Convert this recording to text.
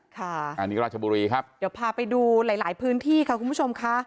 ค่ะอันนี้ราชบุรีครับเดี๋ยวพาไปดูหลายพื้นที่ค่ะคุณผู้ชมค่ะ